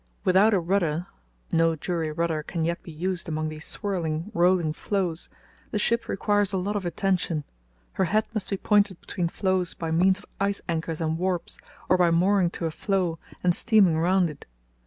"Without a rudder (no jury rudder can yet be used amongst these swirling, rolling floes) the ship requires a lot of attention. Her head must be pointed between floes by means of ice anchors and warps, or by mooring to a floe and steaming round it.